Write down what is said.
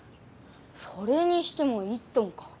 それにしても１トンか。